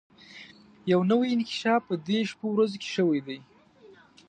يو نوی انکشاف په دې شپو ورځو کې شوی دی.